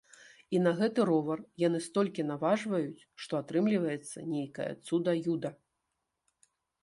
І на гэты ровар яны столькі наважваюць, што атрымліваецца нейкае цуда-юда.